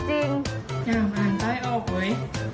เฮ้ยเฮ้ย